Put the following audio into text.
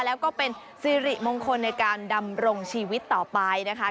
แล้วก็เป็นสิริมงคลในการดำรงชีวิตต่อไปนะคะ